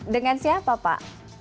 dengan siapa pak